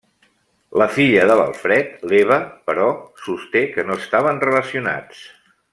La filla de l'Alfred, l'Eva, però, sosté que no estaven relacionats.